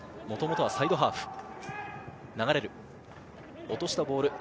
もともとはサイドハーフ。